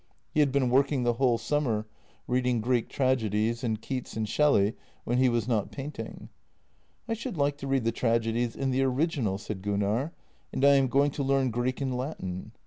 He had been working the whole summer, reading Greek tragedies and Keats and Shelley when he was not painting. " I should like to read the tragedies in the original," said Gunnar, " and I am going to learn Greek and Latin."